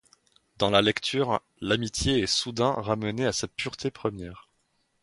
Dans la lecture, l’amitié est soudain ramenée à sa pureté première.